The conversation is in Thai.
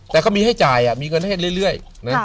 แต่ก็มีให้จ่ายมีเงินให้เรื่อย